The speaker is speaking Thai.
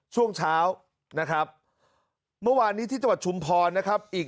ช่วงเช้านะครับเมื่อวานนี้ที่จังหวัดชุมพรนะครับอีก